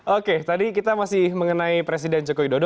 oke tadi kita masih mengenai presiden joko widodo